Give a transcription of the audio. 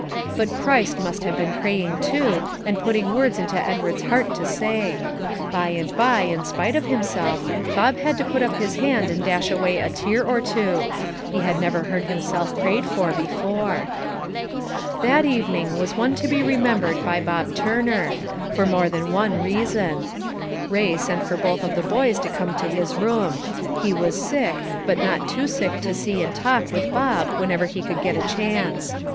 But Christ must have been praying too, and putting words into Edward's heart to say. By and by, in spite of himself, Bob had to put up his hand and dash away a tear or two. He had never heard himself prayed for before. That evening was one to be remembered by Bob Turner, for more than one reason. Bay sent for both of the boys to come to his room; he was sick, but not too sick to see and talk with Bob whenever he could get a chance.